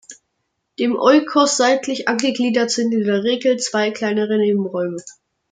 Dem Oikos seitlich angegliedert sind in der Regel zwei kleinere Nebenräume.